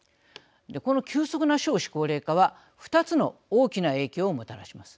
この急速な少子高齢化は２つの大きな影響をもたらします。